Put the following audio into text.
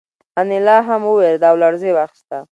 انیلا هم وورېده او لړزې واخیسته